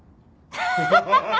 ハハハハ！